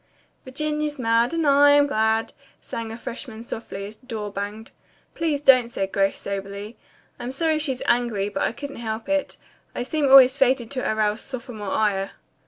"Virginia's mad, And I am glad," sang a freshman softly as the door banged. "Please, don't," said Grace soberly. "I'm sorry she's angry, but I couldn't help it. I seem always fated to arouse sophomore ire."